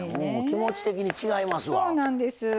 気持ち的に違いますわ。